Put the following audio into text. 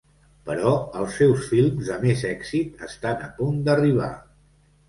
Però els seus films de més èxit estan a punt d'arribar.